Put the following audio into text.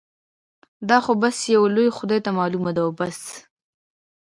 دا خو بس يو لوی خدای ته معلوم دي او بس.